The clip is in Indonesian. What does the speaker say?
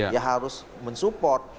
ya harus mensupport